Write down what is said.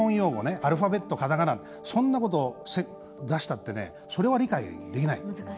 アルファベット、カタカナそんなことを出したってそれは理解できない。